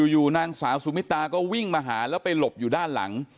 อยู่นางสาวสุมิตาก็วิ่งมาหาแล้วไปหลบอยู่ด้านหลัง